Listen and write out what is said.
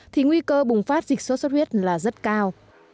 thì nguy cơ bùng phát dịch suốt suốt huyết là rất cao